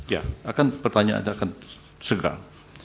ya akan pertanyaan anda akan segang